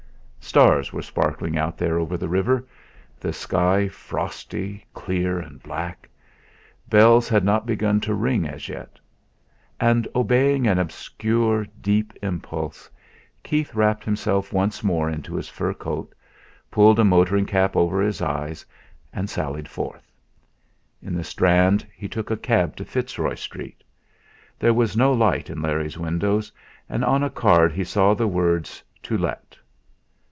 Stars were sparkling out there over the river; the sky frosty clear, and black. Bells had not begun to ring as yet. And obeying an obscure, deep impulse, Keith wrapped himself once more into his fur coat, pulled a motoring cap over his eyes, and sallied forth. In the Strand he took a cab to Fitzroy Street. There was no light in Larry's windows, and on a card he saw the words "To Let."